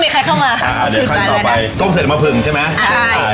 มีใครเข้ามาอะค่ะเดี๋ยวขั้นต่อไปกลมเสร็จมะพึงใช่ไหมอ่าใช่